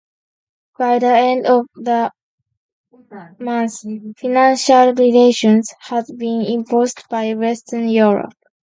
By the end of the month, financial retaliations had been imposed by western Europe.